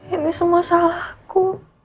ini semua salahku